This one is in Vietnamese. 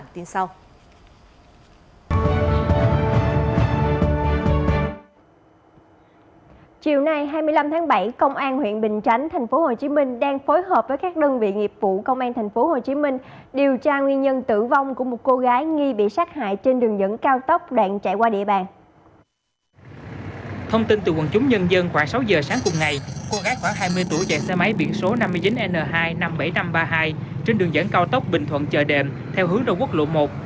trên đường dẫn cao tốc bình thuận chờ đệm theo hướng đồng quốc lộ một